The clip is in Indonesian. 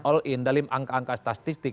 all in dalam angka angka statistik